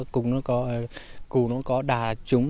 cùng nó có đà trúng